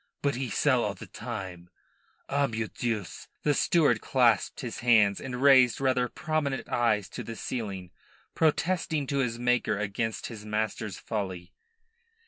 But he sell all the same. Ah, meu Deus!" The steward clasped his hands and raised rather prominent eyes to the ceiling, protesting to his Maker against his master's folly.